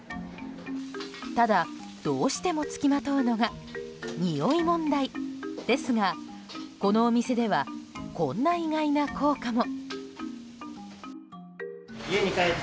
ただ、どうしても付きまとうのがにおい問題ですがこのお店ではこんな意外な効果も。